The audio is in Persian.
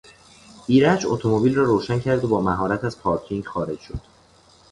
ایرج اتومبیل را روشن کرد و با مهارت از پارکینگ خارج شد.